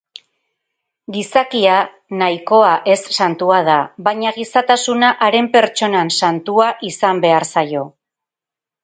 Gizakia nahikoa ez-santua da, baina gizatasuna haren pertsonan santua izan behar zaio.